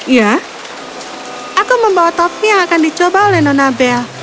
ya aku membawa topi yang akan dicoba oleh nonabel